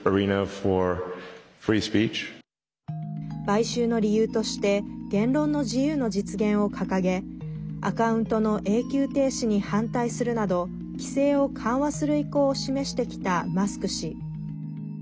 買収の理由として言論の自由の実現を掲げアカウントの永久停止に反対するなど規制を緩和する意向を示してきたマスク氏。